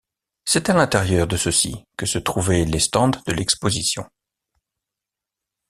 C’est à l’intérieur de ceux-ci que se trouvaient les stands de l’exposition.